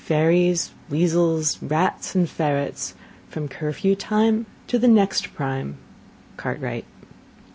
Fairies, weezels, rats, and ferrets: From curfew time To the next prime. CARTWRIGHT.